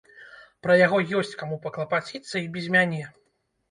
Пра яго ёсць каму паклапаціцца і без мяне.